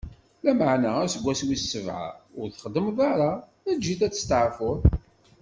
Lameɛna aseggas wis sebɛa, ur ttxeddmeḍ ara, eǧǧ-it ad isteɛfu.